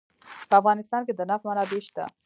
په افغانستان کې د نفت منابع شته.